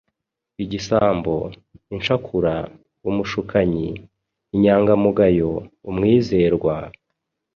igisambo, incakura, umushukanyi, inyangamugayo, umwizerwa,